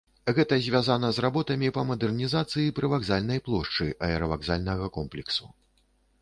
Гэта звязана з работамі па мадэрнізацыі прывакзальнай плошчы аэравакзальнага комплексу.